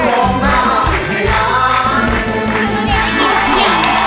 ร้องได้